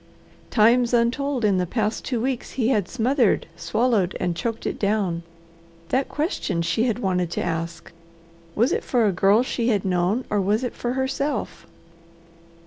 Times untold in the past two weeks he had smothered, swallowed, and choked it down. That question she had wanted to ask was it for a girl she had known, or was it for herself?